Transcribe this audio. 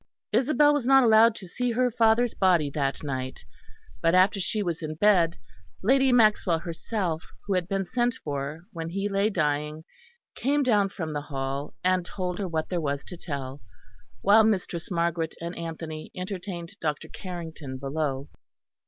Isabel was not allowed to see her father's body that night, but after she was in bed, Lady Maxwell herself, who had been sent for when he lay dying, came down from the Hall, and told her what there was to tell; while Mistress Margaret and Anthony entertained Dr. Carrington below.